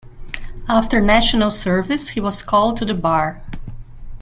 After National Service he was called to the Bar.